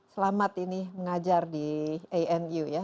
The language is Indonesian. selamat ini mengajar di anu ya